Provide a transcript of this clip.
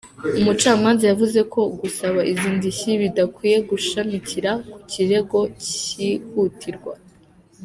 Umucamanza yavuze ko gusaba izi ndishyi bidakwiye gushamikira ku kirego cyihutirwa.